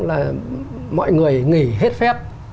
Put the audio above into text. là mọi người nghỉ hết phép